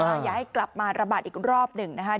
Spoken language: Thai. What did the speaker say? อย่าให้กลับมาระบาดอีกรอบหนึ่งนะคะ